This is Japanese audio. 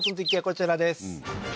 こちらです